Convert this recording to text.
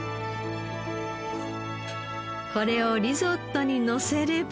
これをリゾットにのせれば。